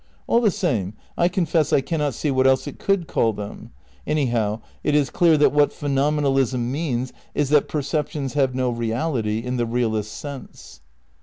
All the same I confess I cannot see what else it coiUd call them. Anyhow it is clear that what phenomenalism means is that perceptions have no reality in the re alist's sense.